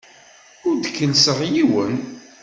Ur d-kellseɣ yiwen.